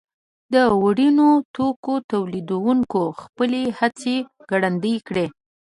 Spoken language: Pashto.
د وړینو توکو تولیدوونکو خپلې هڅې ګړندۍ کړې.